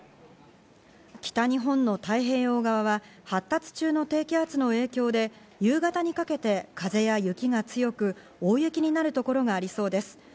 北日本の太平洋側は、発達中の低気圧の影響で夕方にかけて風や雪が強く、大雪になるところがありそうです。